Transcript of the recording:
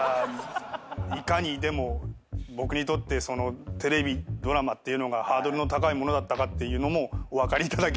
⁉いかにでも僕にとってテレビドラマっていうのがハードルの高いものだったかってお分かりいただけるんじゃ。